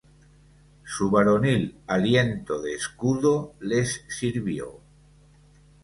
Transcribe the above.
su varonil aliento de escudo les sirvió.